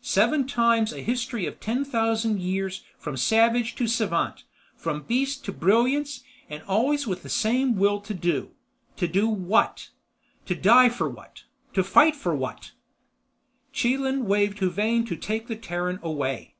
Seven times a history of ten thousand years from savage to savant, from beast to brilliance and always with the same will to do—to do what? To die for what? To fight for what?" Chelan waved Huvane to take the Terran away.